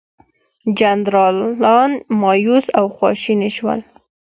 جنرالان مأیوس او خواشیني شول.